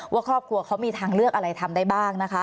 ว่าครอบครัวเขามีทางเลือกอะไรทำได้บ้างนะคะ